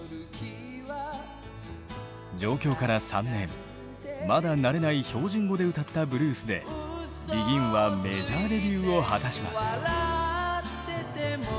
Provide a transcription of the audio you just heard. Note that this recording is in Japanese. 上京から３年まだ慣れない標準語で歌ったブルースでＢＥＧＩＮはメジャーデビューを果たします。